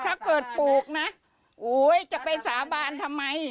ถ้าเกิดปลูกนะโอ๊ยจะไปสาบานทำไม